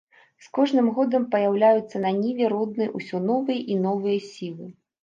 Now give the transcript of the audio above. З кожным годам паяўляюцца на ніве роднай усё новыя і новыя сілы.